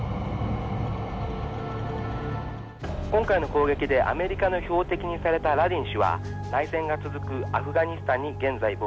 「今回の攻撃でアメリカの標的にされたラディン氏は内戦が続くアフガニスタンに現在亡命しています」。